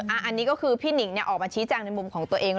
อันนี้ก็คือพี่หนิงออกมาชี้แจงในมุมของตัวเอง